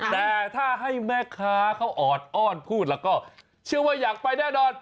แต่ถ้าให้แม่ค้าเขาออดอ้อนพูดแล้วก็เชื่อว่าอยากไปแน่นอน